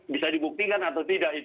bisa dibuktikan atau tidak